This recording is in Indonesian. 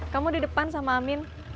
kamu di depan sama amin